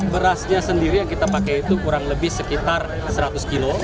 berasnya sendiri yang kita pakai itu kurang lebih sekitar seratus kilo